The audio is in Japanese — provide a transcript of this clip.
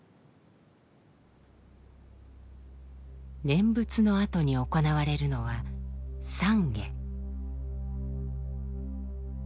念仏のあとに行われるのは「散華」。